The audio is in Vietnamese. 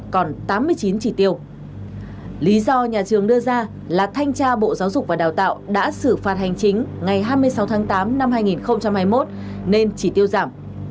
còn tám mươi chín chỉ tiêu lý do nhà trường đưa ra là thanh tra bộ giáo dục và đào tạo đã xử phạt hành chính ngày hai mươi sáu tháng tám năm hai nghìn hai mươi một nên chỉ tiêu giảm